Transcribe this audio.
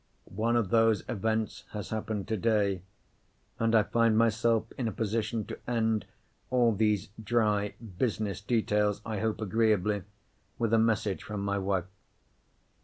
One of those events has happened today; and I find myself in a position to end all these dry business details, I hope agreeably, with a message from my wife.